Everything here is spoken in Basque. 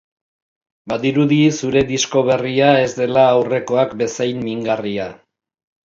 Badirudi zure disko berria ez dela aurrekoak bezain mingarria.